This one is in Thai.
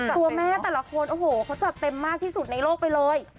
ตัวแม่แต่ละคนโอ้โหเขาจัดเต็มมากที่สุดในโลกไปเลย